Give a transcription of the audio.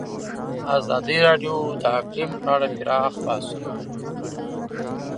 ازادي راډیو د اقلیم په اړه پراخ بحثونه جوړ کړي.